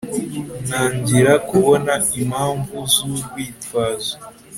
ntangira kubona impamvu z urwitwazo